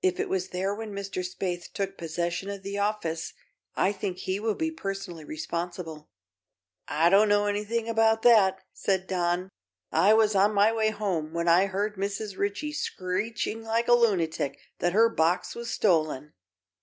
If it was there when Mr. Spaythe took possession of the office, I think he will be personally responsible." "I don't know anything about that," said Don. "I was on my way home when I heard Mrs. Ritchie screeching like a lunatic that her box was stolen.